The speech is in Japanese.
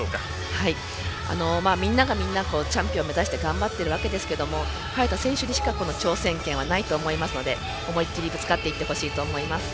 みんながみんなチャンピオンを目指して頑張ってるわけですけども早田選手にしかこの挑戦権はないと思うのでぶつかっていってほしいと思います。